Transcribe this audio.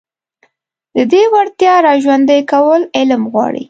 د دې وړتيا راژوندي کول علم غواړي.